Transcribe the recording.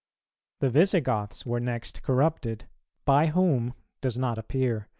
The Visigoths were next corrupted; by whom does not appear.